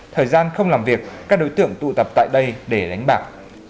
thời gian không làm việc các đối tượng tụ tập tại đây để đánh bạc